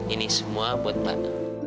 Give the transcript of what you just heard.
ini semua buat pak